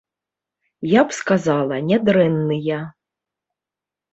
Я б сказала, нядрэнныя!